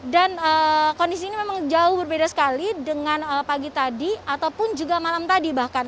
dan kondisi ini memang jauh berbeda sekali dengan pagi tadi ataupun juga malam tadi bahkan